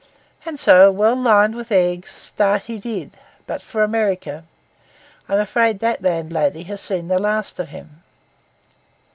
And so, well lined with eggs, start he did, but for America. I am afraid that landlady has seen the last of him.